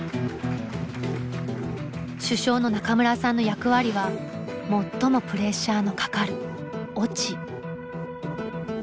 主将の中村さんの役割は最もプレッシャーのかかる「落」。